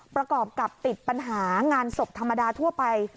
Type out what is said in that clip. ประกอบกับติดปัญหางานศพธรรมดาทั่วไป